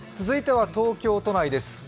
続いては東京都内です。